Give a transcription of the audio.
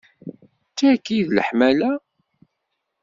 D taki i d leḥmala?